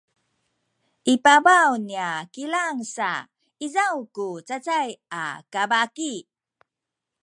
i pabaw niya kilang sa izaw ku cacay a kabaki